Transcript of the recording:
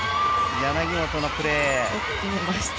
柳本のプレー。